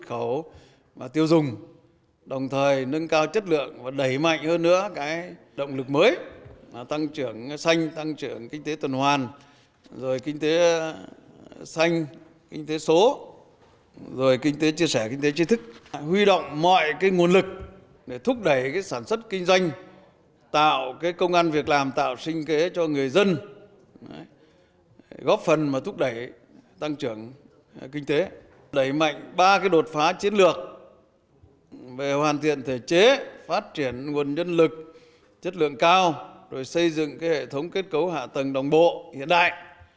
kinh tế số rồi kinh tế chia sẻ kinh tế trí thức huy động mọi nguồn lực để thúc đẩy sản xuất kinh doanh tạo công an việc làm tạo sinh kế cho người dân góp phần mà thúc đẩy tăng trưởng kinh tế đẩy mạnh ba đột phá chiến lược về hoàn thiện thể chế phát triển nguồn nhân lực chất lượng cao xây dựng hệ thống kết cấu hạ tầng đồng bộ hiện đại